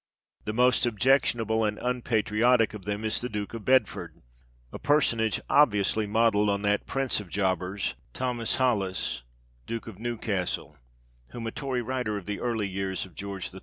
The most objectionable and un patriotic of them is the Duke of Bedford, a personage obviously modelled on that prince of jobbers, Thomas Holies, Duke of Newcastle, whom a Tory writer of the early years of George III.